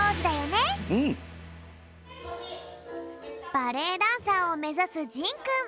バレエダンサーをめざすじんくん。